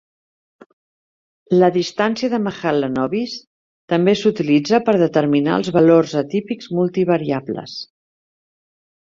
La distància de Mahalanobis també s'utilitza per determinar els valors atípics multivariables.